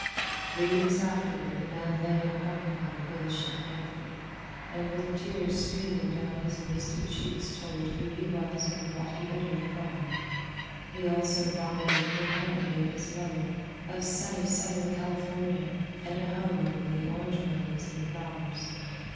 Three weeks afterward the man lay in a bunk on the whale ship Bedford, and with tears streaming down his wasted cheeks told who he was and what he had undergone. He also babbled incoherently of his mother, of sunny Southern California, and a home among the orange groves and flowers.